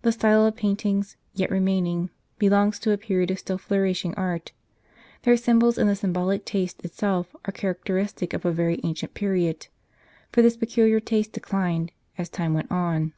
The style of paintings, yet remaining, belongs to a period of still flourishing art. Their symbols, and the symbolical taste itself, are characteristic of a very ancient period. For this peculiar taste declined, as time went on.